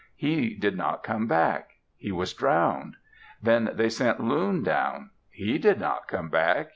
He did not come back. He was drowned. Then they sent Loon down. He did not come back.